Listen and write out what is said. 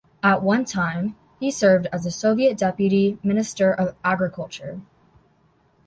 At one time, he served as the Soviet Deputy Minister of Agriculture.